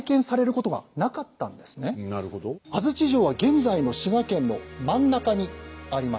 安土城は現在の滋賀県の真ん中にありました。